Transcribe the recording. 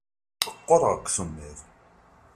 Qquṛeɣ deg usemmiḍ.